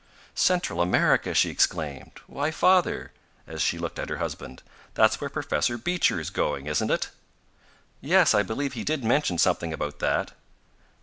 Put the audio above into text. "Central America!" she exclaimed. "Why, Father," and she looked at her husband, "that's where Professor Beecher is going, isn't it?" "Yes, I believe he did mention something about that."